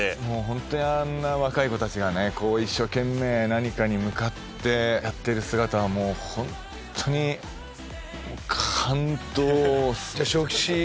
もうホントにあんな若い子たちがねこう一生懸命何かに向かってやっている姿はもう本当に感動です。